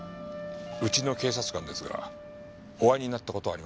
うちの警察官ですがお会いになった事はありますか？